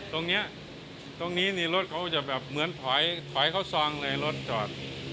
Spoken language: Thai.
ตรงนี้ตรงนี้นี่รถเขาจะแบบเหมือนถอยถอยเขาซองเลยรถจอด